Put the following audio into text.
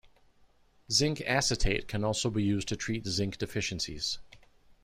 Zinc acetate can also be used to treat zinc deficiencies.